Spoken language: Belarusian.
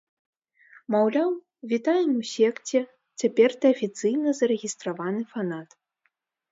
Маўляў, вітаем у секце, цяпер ты афіцыйна зарэгістраваны фанат.